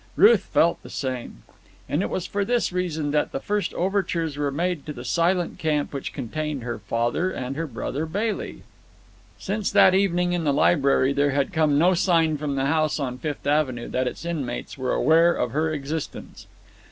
Ruth felt the same; and it was for this reason that the first overtures were made to the silent camp which contained her father and her brother Bailey. Since that evening in the library there had come no sign from the house on Fifth Avenue that its inmates were aware of her existence.